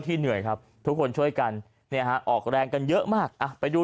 เหนื่อยครับทุกคนช่วยกันเนี่ยฮะออกแรงกันเยอะมากอ่ะไปดู